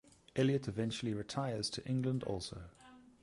Elliot eventually retires to England also.